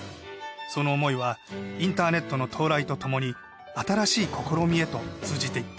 その思いはインターネットの到来とともに新しい試みへと通じていった。